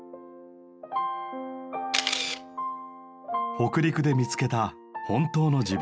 北陸で見つけた本当の自分。